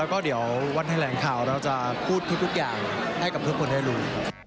แล้วก็เดี๋ยววันแถลงข่าวเราจะพูดทุกอย่างให้กับทุกคนได้รู้